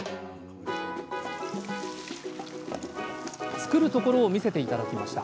作るところを見せて頂きました。